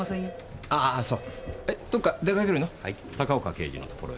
高岡刑事のところへ。